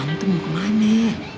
antu mau kemana